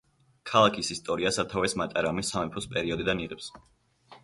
ქალაქის ისტორია სათავეს მატარამის სამეფოს პერიოდიდან იღებს.